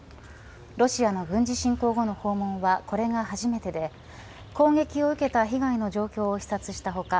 ロシアの軍事侵攻後の訪問はこれが初めてで攻撃を受けた被害の状況を視察した他